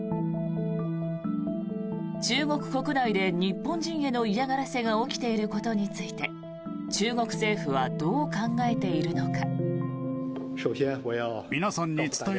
中国国内で日本人への嫌がらせが起きていることについて中国政府はどう考えているのか。